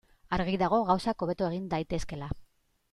Argi dago gauzak hobeto egin daitezkeela.